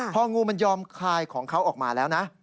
พองูมันยอมคลายของเขาออกมาแล้วนะ